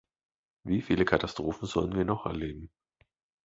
Wie viele Katastrophen sollen wir noch erleben?